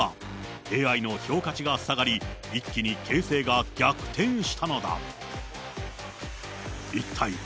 ＡＩの評価値が下がり、一気に形勢が逆転したのだ。